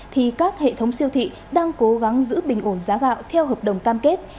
thì các hệ thống siêu thị đang cố gắng giữ bình ổn giá gạo theo hợp đồng cam kết